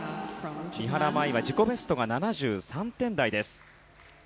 三原舞依は自己ベストは７３点台です。